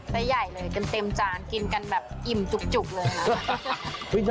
และใหญ่เลยเต็มจานกินกันแบบอิ่มจุกเลยนะ